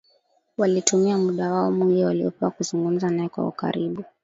Walitumia muda wao mwingi waliopewa kuzungumza naye kwa ukaribu